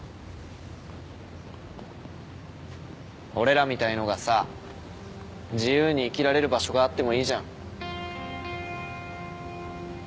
俺らみたいのがさ自由に生きられる場所があってもいいじゃん。